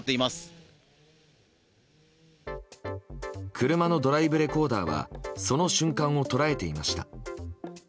車のドライブレコーダーはその瞬間を捉えていました。